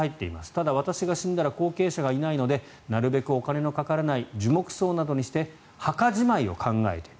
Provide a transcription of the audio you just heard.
ただ、私が死んだら後継者がいないのでなるべく、お金のかからない樹木葬などにして墓じまいを考えている。